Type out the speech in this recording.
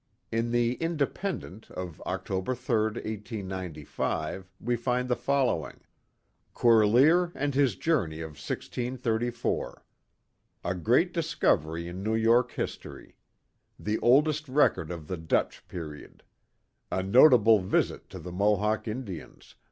In the Independent of October 3, 1895, we find the following: CORLEAR AND HIS JOURNEY OF 1 634. A Great Discovery in New York History. The Oldest Record of the Dutch Period. A Notable Visit to the Mohawk Indians.